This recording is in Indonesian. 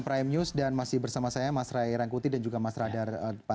prime news dan masih bersama saya mas ray rangkuti dan juga mas radar